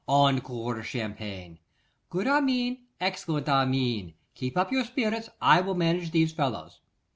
Encore champagne! Good Armine, excellent Armine! Keep up your spirits, I will manage these fellows.